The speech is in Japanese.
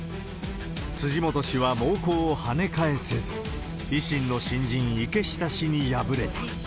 辻元氏は猛攻を跳ね返せず、維新の新人、池下氏に敗れた。